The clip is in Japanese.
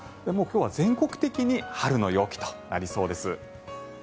もう今日は全国的に春の陽気となりそうです。